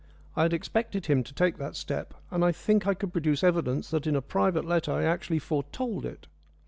I had expected him to take that step, and I think I could produce evidence that in a private letter I actually foretold it.